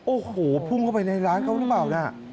โอ้โหพุ่งเข้าไปในร้านเขาหรือเปล่านะ